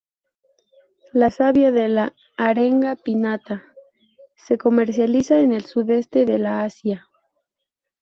La savia de la "Arenga pinnata" se comercializa en el sudeste de la Asia.